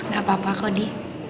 gak apa apa kodi